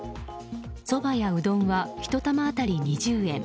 そばやうどんは１玉当たり２０円。